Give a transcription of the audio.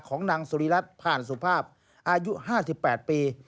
ของนางสุริรัติผ่านสุภาพอายุ๕๘ปี